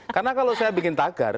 karena kalau saya bikin tagar